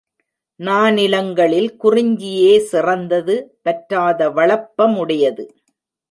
நானிலங்களில் குறிஞ்சியே சிறந்தது வற்றாத வளப்பமுடையது.